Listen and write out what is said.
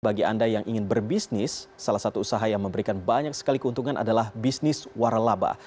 bagi anda yang ingin berbisnis salah satu usaha yang memberikan banyak sekali keuntungan adalah bisnis waralaba